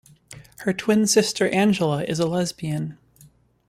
Her twin sister Angela is a lesbian.